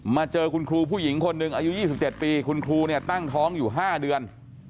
เจอคุณครูผู้หญิงคนหนึ่งอายุ๒๗ปีคุณครูเนี่ยตั้งท้องอยู่๕เดือน